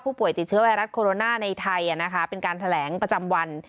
ป่วยติดเชื้อไวรัสโคโรนาในไทยเป็นการแถลงประจำวัน